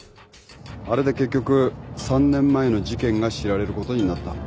あれで結局３年前の事件が知られることになった。